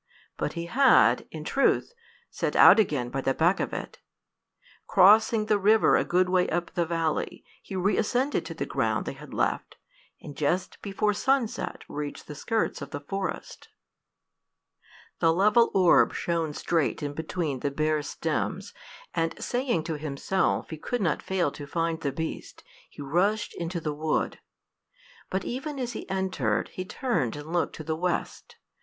But he had, in truth, set out again by the back of it. Crossing the river a good way up the valley, he reascended to the ground they had left, and just before sunset reached the skirts of the forest. The level orb shone straight in between the bare stems, and saying to himself he could not fail to find the beast, he rushed into the wood. But even as he entered, he turned and looked to the west.